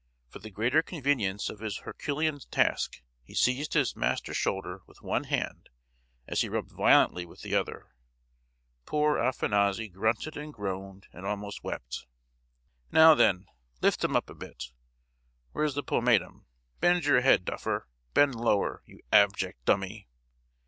For the greater convenience of his herculean task he seized his master's shoulder with one hand as he rubbed violently with the other. Poor Afanassy grunted and groaned and almost wept. "Now, then, lift him up a bit. Where's the pomatum? Bend your head, duffer!—bend lower, you abject dummy!"